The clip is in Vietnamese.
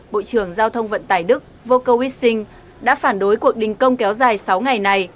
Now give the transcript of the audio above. bộ trưởng giao thông vận tài đức voker wissing đã phản đối cuộc đình công kéo dài sáu ngày này